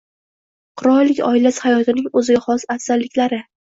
Qirollik oilasi hayotining o‘ziga xos afzalliklari